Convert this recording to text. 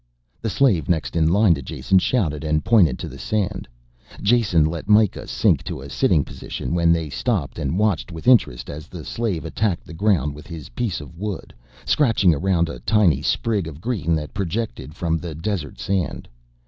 The slave next in line to Jason shouted and pointed to the sand. Jason let Mikah sink to a sitting position when they stopped and watched with interest as the slave attacked the ground with his piece of wood, scratching around a tiny sprig of green that projected from the desert sand.